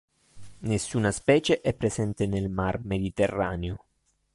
Nessuna specie è presente nel mar Mediterraneo.